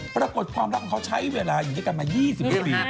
ปรากฏความรักของเขาใช้เวลาอยู่ด้วยกันมา๒๐กว่าปี